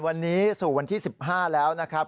วันนี้สู่วันที่๑๕แล้วนะครับ